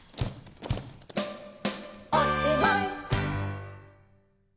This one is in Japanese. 「おしまい！」